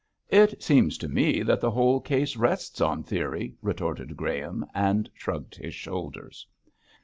'It seems to me that the whole case rests on theory,' retorted Graham, and shrugged his shoulders.